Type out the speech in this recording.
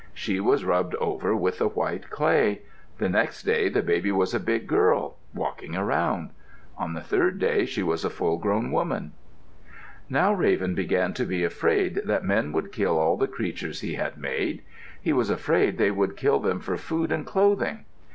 She was rubbed over with the white clay. The next day the baby was a big girl, walking around. On the third day she was a full grown woman. Now Raven began to be afraid that men would kill all the creatures he had made. He was afraid they would kill them for food and clothing.